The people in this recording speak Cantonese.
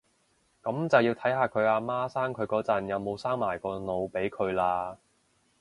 噉就要睇下佢阿媽生佢嗰陣有冇生埋個腦俾佢喇